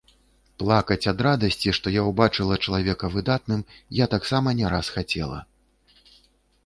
Плакаць ад радасці, што я ўбачыла чалавека выдатным, я таксама не раз хацела.